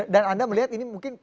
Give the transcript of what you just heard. dan anda melihat ini mungkin